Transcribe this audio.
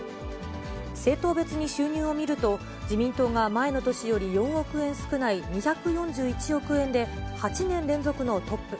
政党別に収入を見ると、自民党が前の年より４億円少ない２４１億円で、８年連続のトップ。